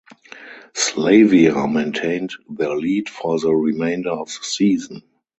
Slavia maintained their lead for the remainder of the season.